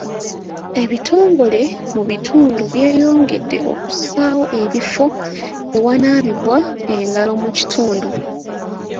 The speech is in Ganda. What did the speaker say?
Ebitongole mu bitundu byeyongedde okussaawo ebifo ewanaabirwa engalo mu kitundu.